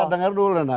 dengar dulu nana